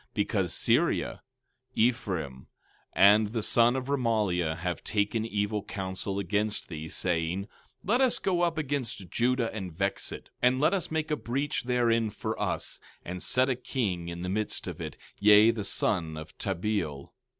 17:5 Because Syria, Ephraim, and the son of Remaliah, have taken evil counsel against thee, saying: 17:6 Let us go up against Judah and vex it, and let us make a breach therein for us, and set a king in the midst of it, yea, the son of Tabeal.